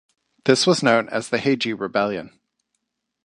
This was known as the Heiji Rebellion.